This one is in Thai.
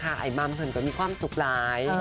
ไอ้มามแฝนก็มีความปลูกร้าย